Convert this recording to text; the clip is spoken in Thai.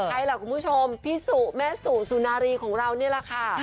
สักใครเหล่าคุณผู้ชมพี่สู่แม่สู่ศุนาลีของเราย์เนี่ยหรอกคะ